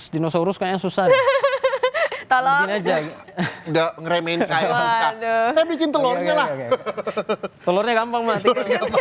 dinosaurus kayak susah tolong aja udah ngeremeh saya bikin telurnya lah telurnya gampang masih